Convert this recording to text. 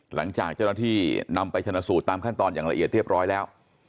หลังจากเจ้าหน้าที่นำไปชนะสูตรตามขั้นตอนอย่างละเอียดเรียบร้อยแล้ว